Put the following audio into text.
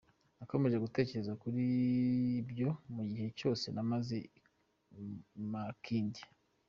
Nakomeje gutekereza kuri byo mu gihe cyose namaze i Makindye.